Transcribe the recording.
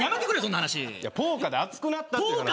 ポーカーで熱くなったっていう話。